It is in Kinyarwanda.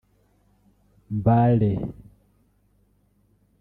Mbale